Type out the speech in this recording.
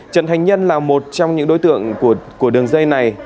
trần thành nhân là một trong những đối tượng của đường dây này